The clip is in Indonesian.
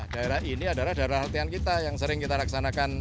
daerah ini adalah daerah latihan kita yang sering kita laksanakan